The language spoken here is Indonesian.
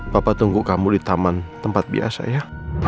papa tunggu kamu di taman tempat biasa ya